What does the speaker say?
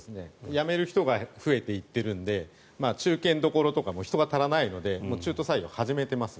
辞める人が増えていっているので中堅どころとかも人が足らないので中途採用、始めています。